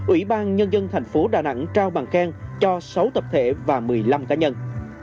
ủy ban nhân dân thành phố đà nẵng trao bằng khen cho sáu tập thể và một mươi năm cá nhân